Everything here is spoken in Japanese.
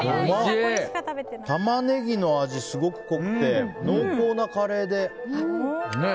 タマネギの味、すごく濃くて濃厚なカレーで。